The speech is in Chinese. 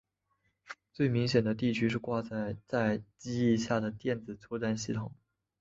最明显的地方是挂载在机翼下的电子作战系统。